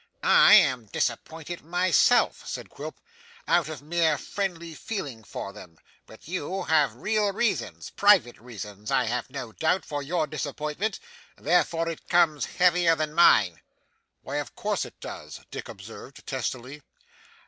'I am disappointed myself,' said Quilp, 'out of mere friendly feeling for them; but you have real reasons, private reasons I have no doubt, for your disappointment, and therefore it comes heavier than mine.' 'Why, of course it does,' Dick observed, testily.